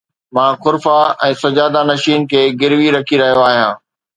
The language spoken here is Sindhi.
مان خرقه ۽ سجاده نشين کي گروي رکي رهيو آهيان